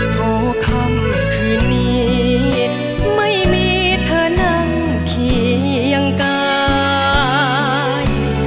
โทขำคืนนี้ไม่มีเธอนั่งขี่ยังกาย